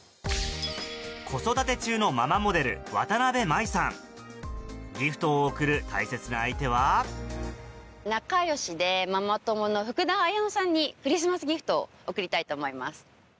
子育て中のママモデルギフトを贈る大切な相手は仲良しでママ友の福田彩乃さんにクリスマスギフトを贈りたいと思います。